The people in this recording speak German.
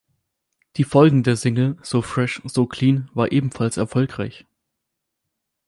Die folgende Single "So Fresh, So Clean" war ebenfalls erfolgreich.